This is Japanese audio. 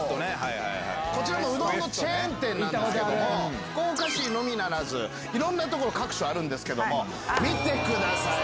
こちらもうどんのチェーン店なんですけども福岡市のみならずいろんな所各所あるんですけども見てください！